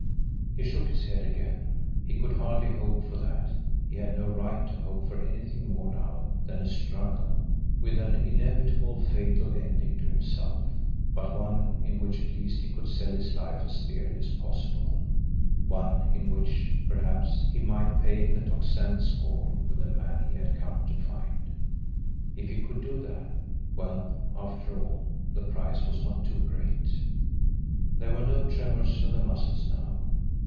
He shook his head again. He could hardly hope for that he had no right to hope for anything more now than a struggle, with an inevitably fatal ending to himself, but one in which at least he could sell his life as dearly as possible, one in which, perhaps, he might pay the Tocsin's score with the man he had come to find! If he could do that well, after all, the price was not too great! There were no tremours of the muscles now.